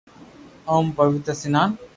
اومون پوتير سنان -